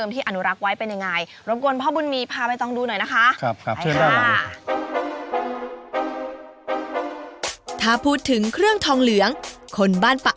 ที่สืบทอดกันมาจากรุ่นสู่รุ่น